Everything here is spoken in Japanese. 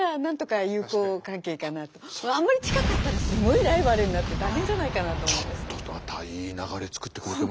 あんまり近かったらすごいライバルになって大変じゃないかなと思うんですけれど。